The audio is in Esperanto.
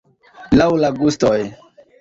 Laŭ la gustoj.